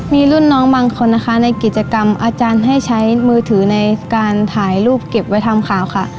มีรุ่นน้องบางคนนะคะในกิจกรรมอาจารย์ให้ใช้มือถือในการถ่ายรูปเก็บไว้ทำข่าวค่ะ